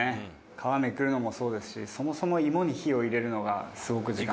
「皮めくるのもそうですしそもそも芋に火を入れるのが」